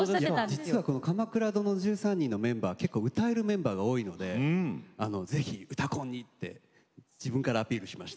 実はこの「鎌倉殿の１３人」のメンバー結構歌えるメンバーが多いのでぜひ「うたコン」にって自分からアピールしました。